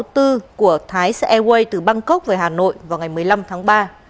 tg năm trăm sáu mươi bốn của thái airways từ bangkok về hà nội vào ngày một mươi năm tháng ba